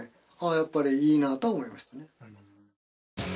やっぱりいいなとは思いましたね